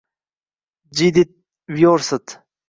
Jidit Viorst